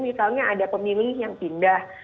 misalnya ada pemilih yang pindah